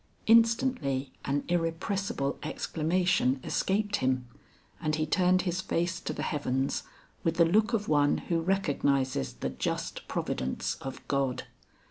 Instantly an irrepressible exclamation escaped him, and he turned his face to the heavens with the look of one who recognizes the just providence of God.